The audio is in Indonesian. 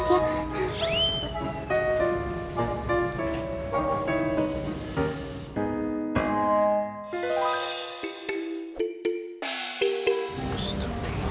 gigi permisi dulu ya mas